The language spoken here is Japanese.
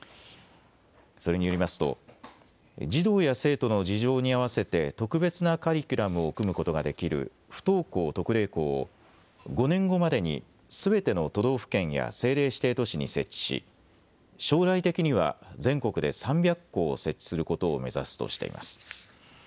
それによりますと児童や生徒の事情に合わせて特別なカリキュラムを組むことができる不登校特例校を５年後までにすべての都道府県や政令指定都市に設置し将来的には全国で３００校設置することを目指すとしています。